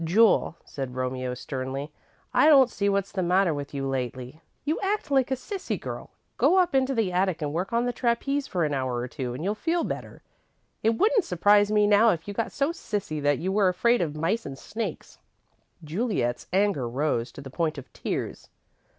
"Jule," said Romeo, sternly, "I don't see what's the matter with you lately. You act like a sissy girl. Go up into the attic and work on the trapeze for an hour or two, and you'll feel better. It wouldn't surprise me now if you got so sissy that you were afraid of mice and snakes." Juliet's anger rose to the point of tears.